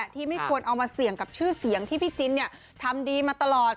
ที่ไม่ควรเอามาเสี่ยงกับชื่อเสียงที่พี่จินทำดีมาตลอด